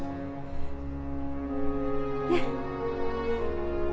ねっ？